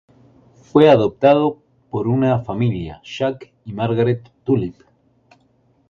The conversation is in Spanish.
Fue adoptado por una nueva familia: Jack y Margaret Tulip.